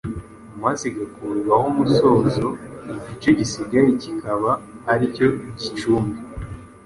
maze igakurwaho umusozo, igice gisigaye kikaba ari cyo gicumbi.